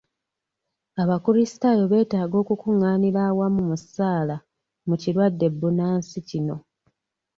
Abakulisitaayo beetaaga okukungaana awamu mu ssaala mu kirwadde bbunansi kino.